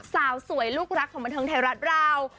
สาวสวยลูกรักของบันเทิงไทยรัฐเรา